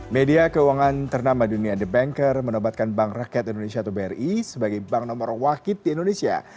media keuangan ternama dunia the banker menobatkan bank rakyat indonesia atau bri sebagai bank nomor wakit di indonesia